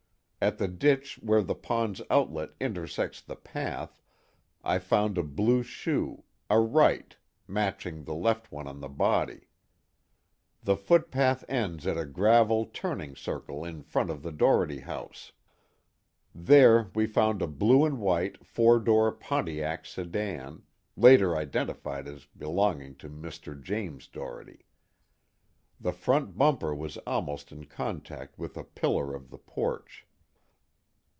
At the ditch where the pond's outlet intersects the path, I found a blue shoe, a right, matching the left one on the body. The footpath ends at a gravel turning circle in front of the Doherty house. There we found a blue and white four door Pontiac sedan, later identified as belonging to Mr. James Doherty. The front bumper was almost in contact with a pillar of the porch.